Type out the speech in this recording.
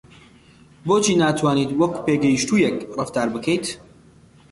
بۆچی ناتوانیت وەک پێگەیشتوویەک ڕەفتار بکەیت؟